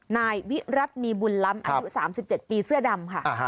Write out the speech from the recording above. นายวิรัติมีบุญล้ำอายุ๓๗ปีเสื้อดำค่ะ